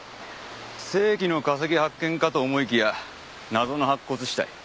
世紀の化石発見かと思いきや謎の白骨死体。